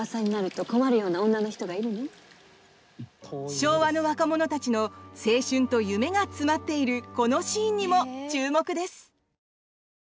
昭和の若者たちの青春と夢が詰まっているこのシーンにも注目です。